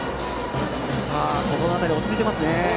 この場面で落ち着いていますね。